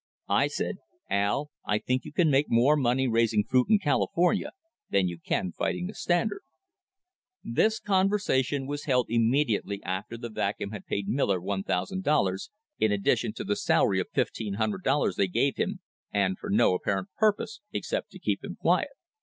I said : "Al, I think you can make more money raising fruit in California than you can fighting the Standard." This conversation was held immediately after the Vacuum had paid Miller $1,000, in addition to the salary of $1,500 they gave him, and for no apparent purpose except to keep him quiet.